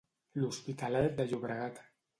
L'Hospitalet de Llobregat.